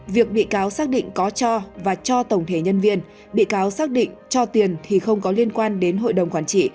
việc bị cáo xác định có cho và cho tổng thể nhân viên bị cáo xác định cho tiền thì không có liên quan đến hội đồng quản trị